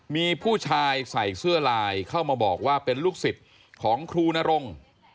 มีผู้ชายใส่เสื้อลายเข้ามาบอกว่าเป็นลูกศิษย์ของครูนรงค์